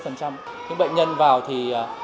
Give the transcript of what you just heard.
những bệnh nhân vào thì